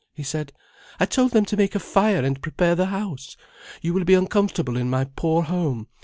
he said. "I told them to make a fire and prepare the house. You will be uncomfortable in my poor home.